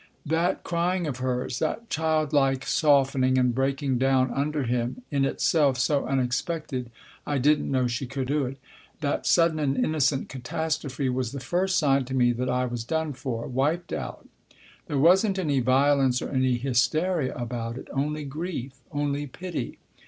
That crying of hers, that child like softening and breaking down under him, in itself so unexpected (I didn't know she could do it) , that sudden and innocent catastrophe, was the first sign to me that I was done for wiped out. There wasn't any violence or any hysteria about it, only grief, only pity.